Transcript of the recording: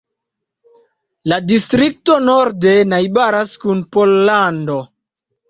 La distrikto norde najbaras kun Pollando.